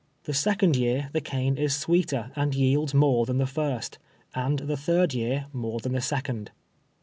Tlie second year the cane is sweeter and yields more than the first, and the third year more than the second.